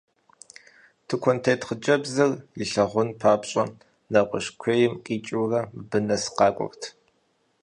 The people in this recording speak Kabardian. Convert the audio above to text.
Тыкуэнтет хъыджэбзыр илъагъун папщӏэ, нэгъуэщӏ куейм къикӏыурэ мыбы нэс къакӏуэрт.